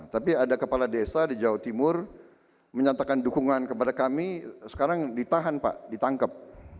tapi ada kepala desa di jawa timur menyatakan dukungan kepada kami sekarang ditahan pak ditangkap